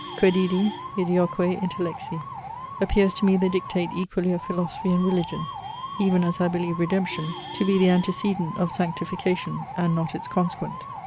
Credidi, ideoque intellexi, appears to me the dictate equally of Philosophy and Religion, even as I believe Redemption to be the antecedent of Sanctification, and not its consequent.